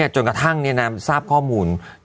จนกระทั่งทราบข้อมูล